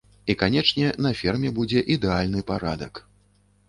І канечне, на ферме будзе ідэальны парадак.